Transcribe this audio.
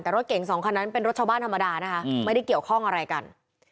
แต่รถเก่งสองคันนั้นเป็นรถชาวบ้านธรรมดานะคะไม่ได้เกี่ยวข้องอะไรกัน